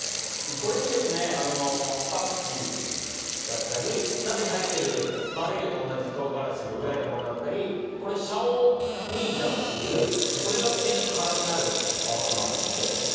これにパクチーだったり鍋に入ってる丸いのと同じ唐辛子を砕いたものだったりこれシャオミージャオっていうこれが入れると辛くなるやつです。